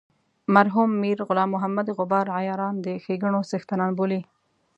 مرحوم میر غلام محمد غبار عیاران د ښیګڼو څښتنان بولي.